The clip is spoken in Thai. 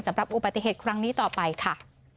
สำหรับอุบัติเหตุครั้งนี้ต่อไปค่ะ